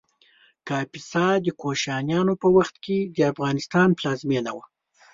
کاپیسا د کوشانیانو په وخت کې د افغانستان پلازمېنه وه